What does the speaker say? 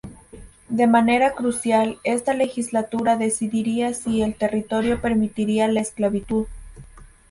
De manera crucial, esta legislatura decidiría si el territorio permitiría la esclavitud.